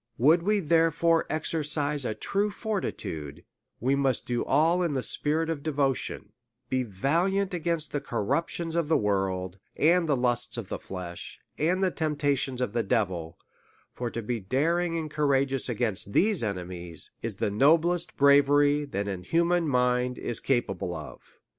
Would we therefore exercise a true fortitude, we must do all in the spirit of devotion, be valiant against the corruptions of the world, and the lusts of the flesh, and the temptations of the devil ; for to be daring and courageous against these enemies, is the noblest bra very that a human mind is capable of.